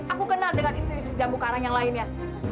aku kenal dengan istri jambu garam yang lainnya